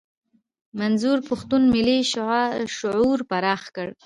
منظور پښتون ملي شعور پراخ کړ.